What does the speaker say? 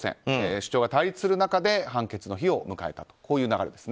主張が対立する中で判決の日を迎えたという流れです。